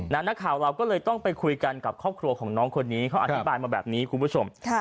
นักข่าวเราก็เลยต้องไปคุยกันกับครอบครัวของน้องคนนี้เขาอธิบายมาแบบนี้คุณผู้ชม